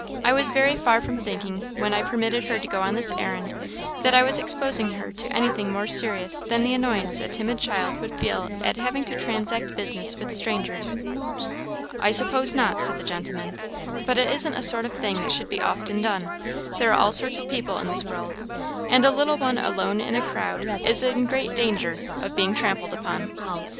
"I was very far from thinking, when I permitted her to go on this errand, that I was exposing her to anything more serious than the annoyance a timid child would feel at having to transact business with strangers." "I suppose not," said the gentleman; "but it isn't a sort of thing that should be often done. There are all sorts of people in this world, and a little one alone in a crowd is in danger of being trampled upon."